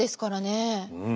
うん。